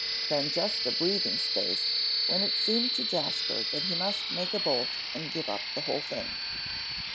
Then just a breathing space, when it seemed to Jasper that he must make a bolt and give up the whole thing.